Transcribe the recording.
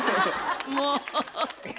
もう。